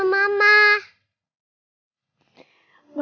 sampai ketemu ya mama